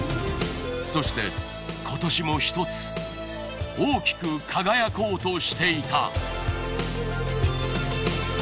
そして今年も１つ大きく輝こうとしていた。